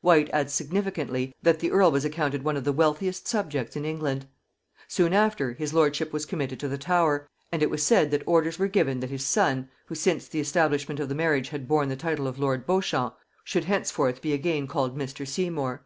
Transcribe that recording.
Whyte adds significantly, that the earl was accounted one of the wealthiest subjects in England. Soon after, his lordship was committed to the Tower; and it was said that orders were given that his son, who since the establishment of the marriage had borne the title of lord Beauchamp, should henceforth be again called Mr. Seymour.